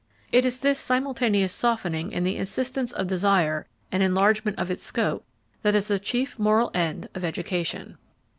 It is this simultaneous softening in the insistence of desire and enlargement of its scope that is the chief moral end of education.